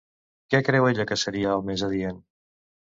Què creu ella que seria el més adient?